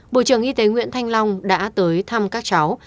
bộ trưởng y tế nguyễn thanh long đã tới thăm các cháu